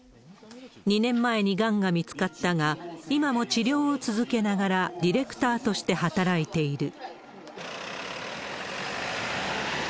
２年前にがんが見つかったが、今も治療を続けながら、ディレクターとして働いている。